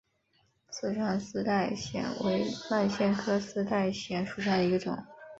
四川丝带藓为蔓藓科丝带藓属下的一个种。